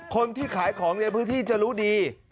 คนที่ขายของในพื้นที่จะรู้ดี